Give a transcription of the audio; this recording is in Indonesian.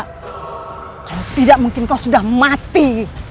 tidak mungkin kau sudah mati